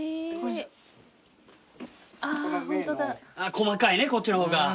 細かいねこっちの方が。